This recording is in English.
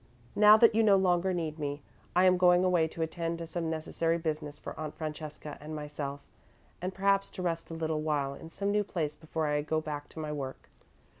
"Now that you no longer need me, I am going away to attend to some necessary business for Aunt Francesca and myself, and perhaps to rest a little while in some new place before I go back to my work.